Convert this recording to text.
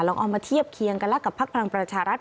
เอามาเทียบเคียงกันแล้วกับพักพลังประชารัฐ